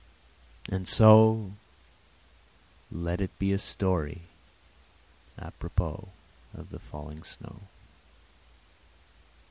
And so let it be a story à propos of the falling snow.